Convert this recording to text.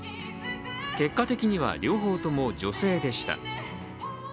結果的には両方とも女性でした。